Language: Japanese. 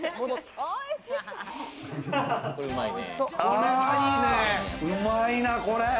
あ、うまいなこれ！